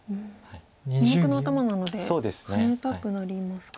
２目の頭なのでハネたくなりますか。